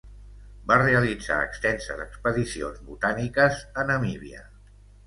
Va realitzar extenses expedicions botàniques a Namíbia.